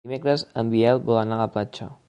Dimecres en Biel vol anar a la platja.